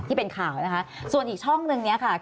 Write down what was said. ที่เป็นข่าวนะคะส่วนอีกช่องนึงเนี่ยค่ะ